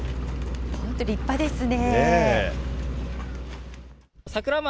本当、立派ですね。